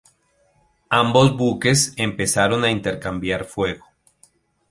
Ambos buques empezaron a intercambiar fuego.